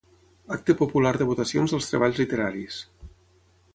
Acte popular de votacions dels treballs literaris.